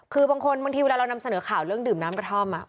คือบางคนบางทีเวลาเรานำเสนอข่าวเรื่องดื่มน้ำกระท่อม